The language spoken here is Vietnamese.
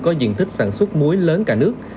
có diện tích sản xuất muối lớn cả nước